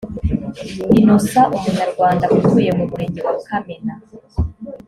innocent umunyarwanda utuye mu murenge wa kamena